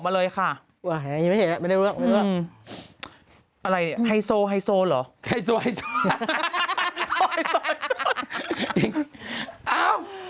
เมื่อกี้เกือบหลุดแล้วพี่เมม